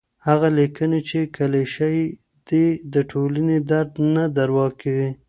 هغه ليکنې چي کليشه يي دي، د ټولني درد نه دوا کوي.